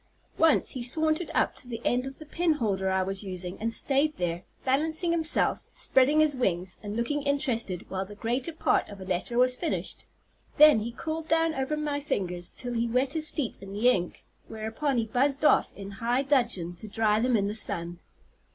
Once he sauntered up to the end of the penholder I was using, and stayed there, balancing himself, spreading his wings, and looking interested while the greater part of a letter was finished. Then he crawled down over my fingers till he wet his feet in the ink; whereupon he buzzed off in high dudgeon to dry them in the sun.